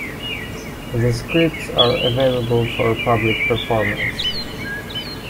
The scripts are available for public performance.